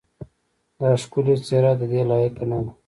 دا ښکلې څېره ددې لایقه نه ده.